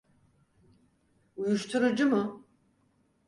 Uyuşturucu mu?